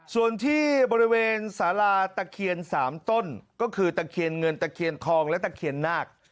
ส่วนที่บริเวณสาราตะเคียน๓ต้นก็คือตะเคียนเงินตะเคียนทองและตะเคียนนาค